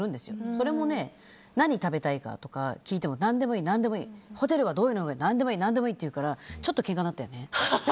それも何食べたいかとか聞いても何でもいい、何でもいいホテルはどういうのがいい？何でもいいっていうからちょっとけんかになったよね。